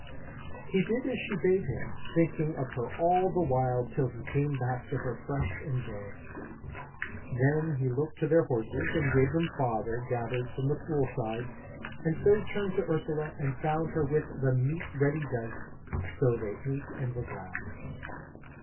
He did as she bade him, thinking of her all the while till he came back to her fresh and gay. Then he looked to their horses and gave them fodder gathered from the pool side, and so turned to Ursula and found her with the meat ready dight; so they ate and were glad.